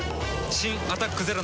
新「アタックＺＥＲＯ」